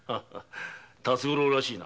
辰五郎らしいな。